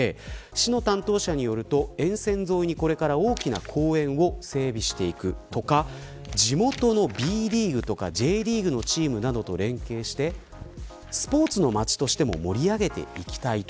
市の担当者によると、沿線沿いにこれから大きな公園を整備していくとか地元のＢリーグとかＪリーグのチームなどと連携してスポーツの街としても盛り上げていきたい